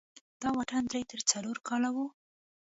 دا واټن درې تر څلور کاله و.